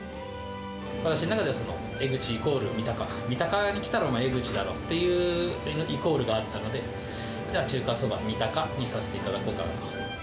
私の中では江ぐちイコールみたか、三鷹に来たら、江ぐちだっていう、イコールがあったので、だから中華そばみたかにさせていただこうかなと。